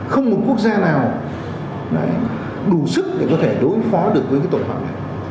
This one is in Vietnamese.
không một quốc gia nào đủ sức để có thể đối phó được với cái tội phạm này